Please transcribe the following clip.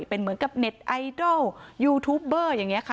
เป็นเหมือนกับเน็ตไอดอลยูทูปเบอร์อย่างนี้ค่ะ